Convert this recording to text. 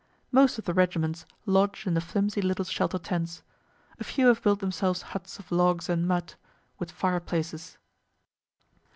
Most of the regiments lodge in the flimsy little shelter tents. A few have built themselves huts of logs and mud, with fire places.